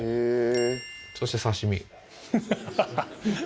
そして刺身。